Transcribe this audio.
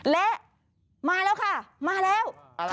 และมาแล้วค่ะมาแล้ว